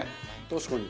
確かに。